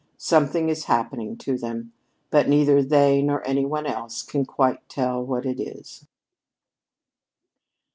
Something is happening to them, but neither they nor any one else can quite tell what it is."